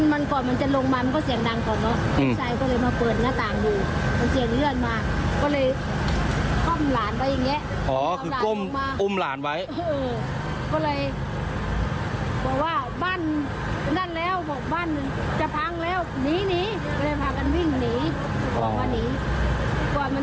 มันก่อนมันจะลงมามันก็เสียงดังก่อนเนอะพวกชายก็เลยมาเปิดหน้าต่างดูมันเสียงเลื่อนมา